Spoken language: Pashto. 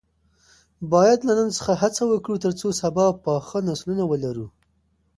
باید له نن څخه هڅه وکړو ترڅو سبا پاخه نسلونه ولرو.